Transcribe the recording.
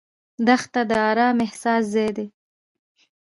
دښته د ارام احساس ځای ده.